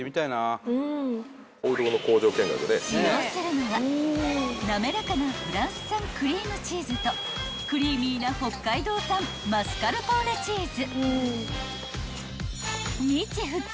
［使用するのはなめらかなフランス産クリームチーズとクリーミーな北海道産マスカルポーネチーズ］